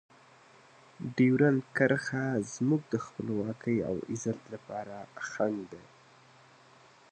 ډیورنډ کرښه زموږ د خپلواکۍ او عزت لپاره خنډ دی.